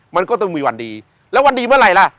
มันก็ต้องมีวันดีแล้ววันดีเมื่อไหร่ล่ะ